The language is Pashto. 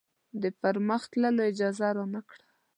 د پر مخ تللو اجازه رانه کړه.